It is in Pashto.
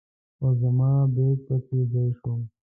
خو زما بیک په کې ځای شو.